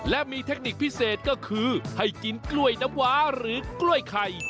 และมีเทคนิคพิเศษก็คือให้กินกล้วยน้ำว้าหรือกล้วยไข่